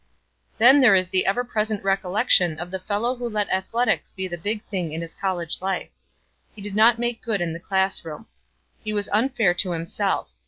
Then there is the ever present recollection of the fellow who let athletics be the big thing in his college life. He did not make good in the classroom. He was unfair to himself.